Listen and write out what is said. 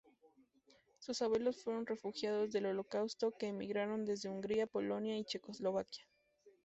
Sus abuelos fueron refugiados del Holocausto, que emigraron desde Hungría, Polonia y Checoslovaquia.